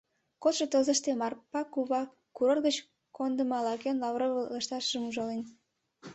Кодшо тылзыште Марпа кува курорт гыч кондымо ала-кӧн лавровый лышташым ужален.